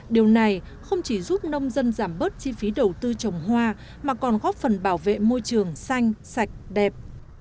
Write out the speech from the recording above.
điều này không chỉ giúp nông dân giảm bớt chi phí đầu tư trồng hoa mà còn góp phần bảo vệ môi trường xanh sạch đẹp